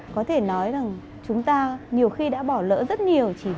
có thể nói rằng chúng ta nhiều khi đã bỏ lỡ rất nhiều